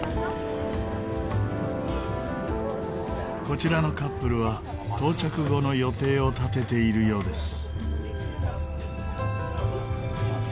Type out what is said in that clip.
こちらのカップルは到着後の予定を立てているようです。